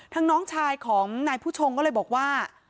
น้องชายของนายผู้ชงก็เลยบอกว่า